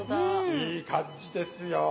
いい感じですよ。